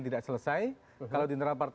tidak selesai kalau di internal partai